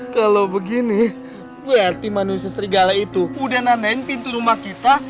kalau begini berarti manusia serigala itu udah naneng pintu rumah kita